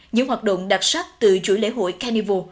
những hoạt động đặc sắc từ chuỗi lễ hội carnival